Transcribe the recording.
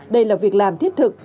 đây là việc làm thiết thực